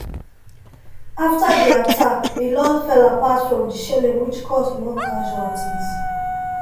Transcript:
After the attack, a lull fell apart from the shelling, which caused more casualties.